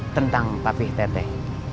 tentang papi teteh